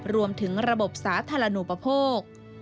รวมถึงระบบสาธารณูปโภค